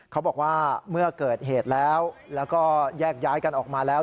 เขาบอกว่าเมื่อเกิดเหตุแล้วแล้วก็แยกย้ายกันออกมาแล้ว